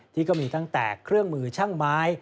ที่ก็มีตั้งแต่เครื่องมือช่างไม้